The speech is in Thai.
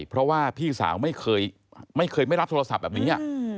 เพราะว่าพี่สาวไม่เคยไม่รับโทรศัพท์แบบนี้